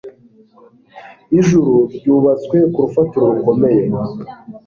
Ijuru ryubatswe ku rufatiro rukomeye.